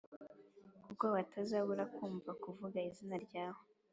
kuko batazabura kumva bavuga izina ryawe